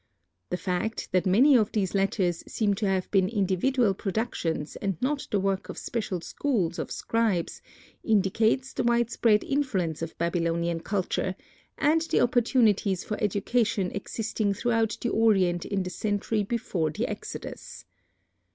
The fact that many of these letters seem to have been individual productions and not the work of special schools of scribes indicates the widespread influence of Babylonian culture, and the opportunities for education existing throughout the Orient in the century before the Exodus.